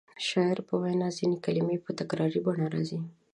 د شاعر په وینا کې ځینې کلمې په تکراري بڼه راځي.